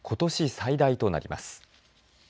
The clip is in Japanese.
最大となります。